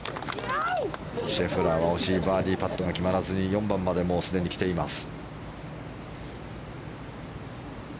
シェフラーは惜しいバーディーパットが決まらずに４番までもうすでに来ています。